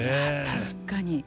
確かに。